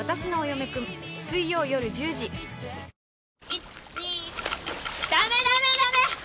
１、２。ダメダメダメ！